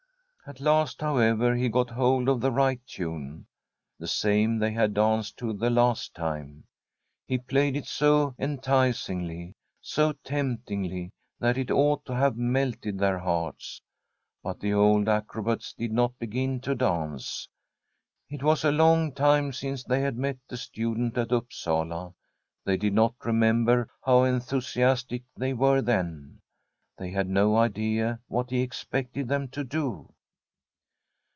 At last, however, he got hold of the right tunc — the same they had danced to the last time. He played it so enticingly, so temptingly, that it ought to have melted their hearts. But the old acrobats did not begin to dance. It was a long time since they had met the student at Upsala ; they did not remember how enthusiastic they were then. They had no idea what he expected them to do.